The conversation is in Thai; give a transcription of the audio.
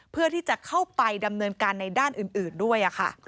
เพื่อที่จะเข้าไปดำเนินการในด้านอื่นด้วยค่ะ